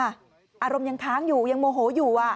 อารมณ์ยังค้างอยู่ยังโมโหอยู่